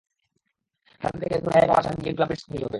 ঠান্ডা থেকে একটু রেহাই পাওয়ার আশায় আমি গিয়ে ঢুকলাম পিটস কফি শপে।